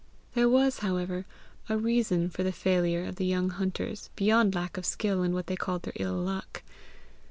There was, however, a reason for the failure of the young hunters beyond lack of skill and what they called their ill luck.